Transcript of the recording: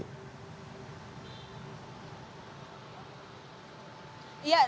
ya dari berita yang